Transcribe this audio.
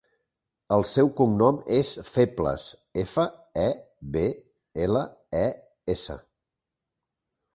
El seu cognom és Febles: efa, e, be, ela, e, essa.